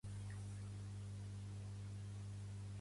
Totes les veritats són pas bones a dir